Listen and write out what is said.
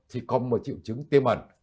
thì còn một triệu chứng tê mẩn